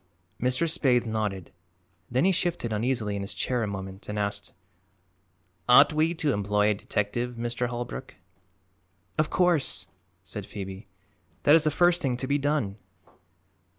Mr. Spaythe nodded. Then he shifted uneasily in his chair a moment and asked: "Ought we to employ a detective, Mr. Holbrook?" "Of course!" said Phoebe. "That is the first thing to be done."